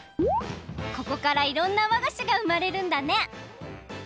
ここからいろんなわがしがうまれるんだね！